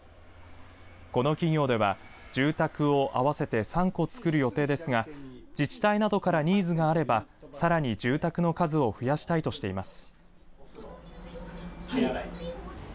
この企業では住宅を合わせて３戸作る予定ですが自治体などからニーズがあればさらに住宅の数を増やしたいとしています。